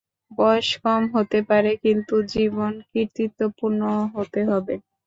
বয়স কম হতে পারে, কিন্তু জীবন কৃতিত্বপূর্ণ হতে হবে।